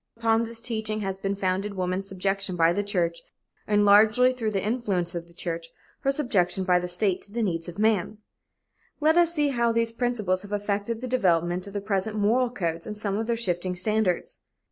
Upon this teaching has been founded woman's subjection by the church and, largely through the influence of the church, her subjection by the state to the needs of the man. Let us see how these principles have affected the development of the present moral codes and some of their shifting standards.